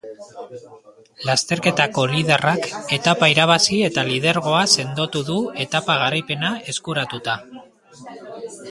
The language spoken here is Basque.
Lasterketako liderrak etapa irabazi eta lidergoa sendotu du etapa garaipena eskuratuta.